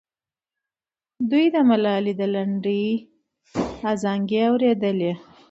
دوی د ملالۍ د لنډۍ ازانګې اورېدلې.